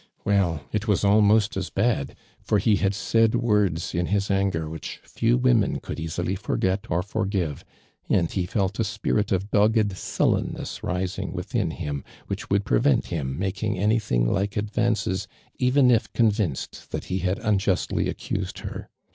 Well, it was almost as bad, for he had said words in his anger which few women oouM easily forget or forgive, and ho felt a spirit of dogged sullenness rising within him which would prevent him making anything like advances even if convinced tliat he had unjustly accused her.